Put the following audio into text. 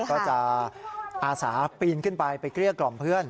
ก็จะอาสาปีนขึ้นไปไปเกลี้ยกล่อมเพื่อน